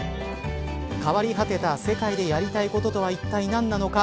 変わり果てた世界でやりたいこととはいったい何なのか。